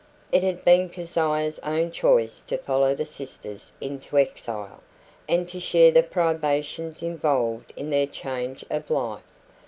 It had been Keziah's own choice to follow the sisters into exile, and to share the privations involved in their change of life.